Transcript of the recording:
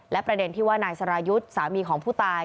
และประเด็นที่ว่านายสรายุทธ์สามีของผู้ตาย